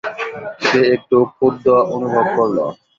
সে একটু ক্ষুব্ধ অনুভব করল।